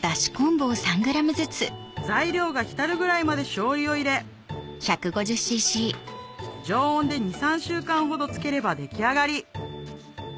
材料が浸るぐらいまでしょうゆを入れ常温で２３週間ほどつければ出来上がり